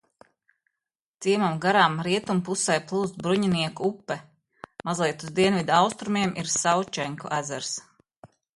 Ciemam garām rietumpusē plūst Bruņinieku upe, mazliet uz dienvidaustrumiem ir Saučenku ezers.